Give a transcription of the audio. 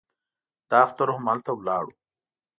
دا اختر هم هلته ولاړو.